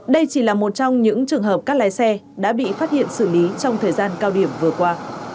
đây chỉ là một trong những trường hợp các lái xe đã bị phát hiện xử lý trong thời gian cao điểm vừa qua